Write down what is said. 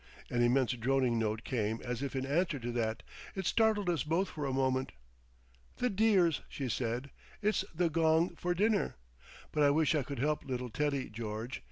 ... An immense droning note came as if in answer to that. It startled us both for a moment. "The dears!" she said. "It's the gong for dinner!... But I wish I could help little Teddy, George.